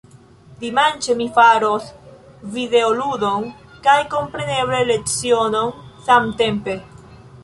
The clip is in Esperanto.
Dimanĉe, mi faros videoludon kaj kompreneble lecionon samtempe.